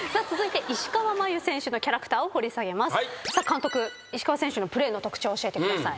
監督石川選手のプレーの特徴教えてください。